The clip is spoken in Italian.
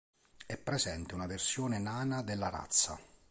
È presente una versione nana della razza.